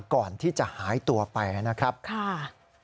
ก่อนที่จะหายตัวไปนะครับค่ะ